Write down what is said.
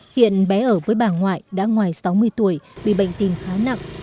hiện bé ở với bà ngoại đã ngoài sáu mươi tuổi bị bệnh tình khá nặng